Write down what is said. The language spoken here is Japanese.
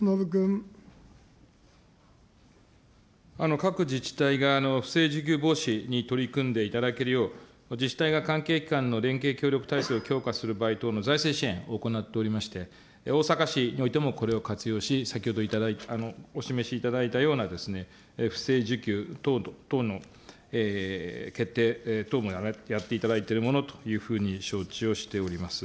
各自治体が不正受給防止に取り組んでいただけるよう、自治体や関係機関の連携を強化する場合等の財政支援を行っておりまして、大阪市においてもこれを活用し、先ほどお示しいただいたような、不正受給等の決定等もやっていただいているものというふうに承知をしております。